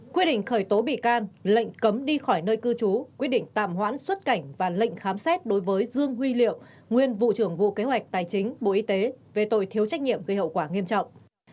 quyết định khởi tố bị can lệnh cấm đi khỏi nơi cư trú quyết định tạm hoãn xuất cảnh và lệnh khám xét đối với dương huy liệu nguyên vụ trưởng vụ kế hoạch tài chính bộ y tế về tội thiếu trách nhiệm gây hậu quả nghiêm trọng